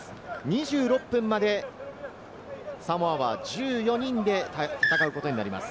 ２６分までサモアは１４人で戦うことになります。